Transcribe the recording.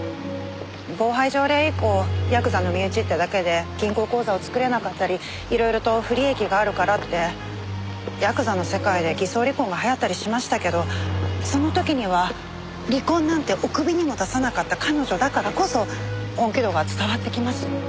暴排条例以降ヤクザの身内ってだけで銀行口座を作れなかったりいろいろと不利益があるからってヤクザの世界で偽装離婚が流行ったりしましたけどその時には離婚なんておくびにも出さなかった彼女だからこそ本気度が伝わってきます。